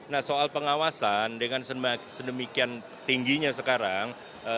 nah soal pengawasan dengan sedemikian tingginya sekarang